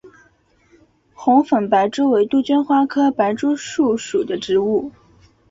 红粉白珠为杜鹃花科白珠树属的植物。